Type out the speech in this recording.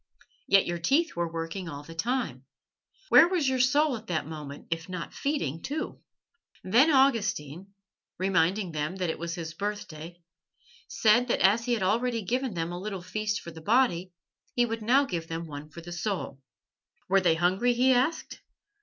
Yet your teeth were working all the time. Where was your soul at that moment if not feeding too?" Then Augustine, reminding them that it was his birthday, said that as he had already given them a little feast for the body, he would now give them one for the soul. Were they hungry? he asked.